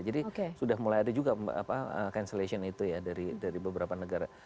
jadi sudah mulai ada juga cancellation itu ya dari beberapa negara